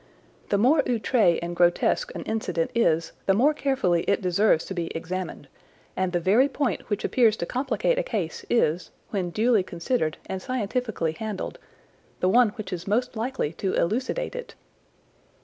The more outré and grotesque an incident is the more carefully it deserves to be examined, and the very point which appears to complicate a case is, when duly considered and scientifically handled, the one which is most likely to elucidate it.